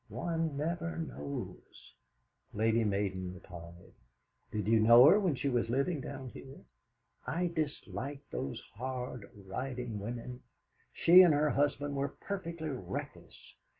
One never knows " Lady Malden replied: "Did you know her when she was living down here? I dislike those hard riding women. She and her husband were perfectly reckless.